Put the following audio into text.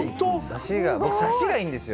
サシがいいんですよ。